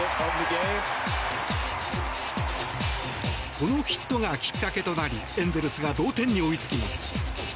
このヒットがきっかけとなりエンゼルスが同点に追いつきます。